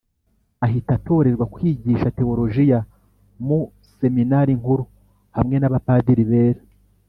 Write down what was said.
ahita atorerwa kwigisha teolojiya mu seminari nkuru hamwe n'abapadiri bera.